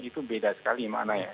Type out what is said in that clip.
itu beda sekali maknanya